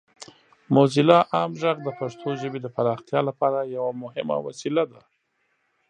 موزیلا عام غږ د پښتو ژبې د پراختیا لپاره یوه مهمه وسیله ده.